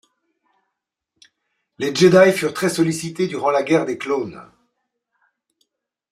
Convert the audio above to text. Les Jedi furent très sollicités durant la Guerre des clones.